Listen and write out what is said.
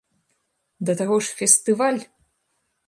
Да таго ж, фестываль!